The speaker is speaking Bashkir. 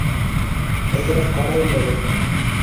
Әҙерәк ҡарайым әле.